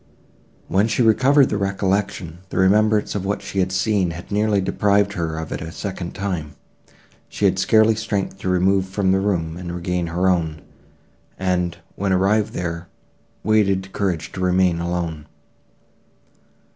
When she recovered her recollection, the remembrance of what she had seen had nearly deprived her of it a second time. She had scarcely strength to remove from the room, and regain her own; and, when arrived there, wanted courage to remain alone.